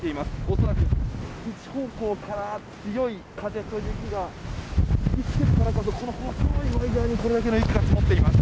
恐らく一方向から強い風と雪が吹き付けているからこそのこの細いところにこれだけの雪が積もっています。